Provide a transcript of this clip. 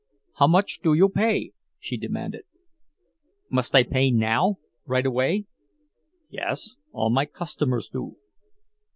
"How much do you pay?" she demanded. "Must I pay now—right away?" "Yes; all my customers do."